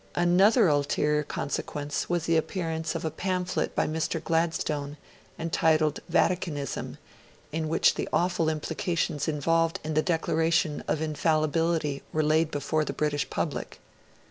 Another ulterior consequence was the appearance of a pamphlet by Mr. Gladstone, entitled 'Vaticanism', in which the awful implications involved in the declaration of Infallibility were laid before the British Public.